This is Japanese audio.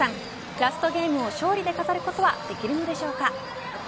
ラストゲームを勝利で飾ることはできるのでしょうか。